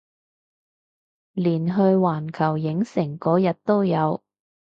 連去環球影城嗰日都有